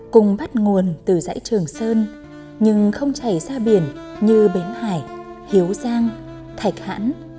cùng bắt nguồn từ dải trường sơn nhưng không chạy ra biển như bến hải hiểu giang thầy thản